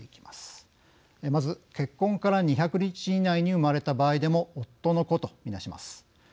まず、結婚から２００日以内に生まれた場合でも夫の子とみなします。